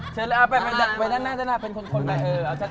เชิญไปหน้าเป็นคนเอาชัด